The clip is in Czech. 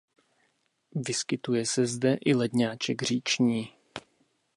Vyskytuje se zde i ledňáček říční.